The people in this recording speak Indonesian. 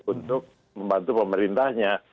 untuk membantu pemerintahnya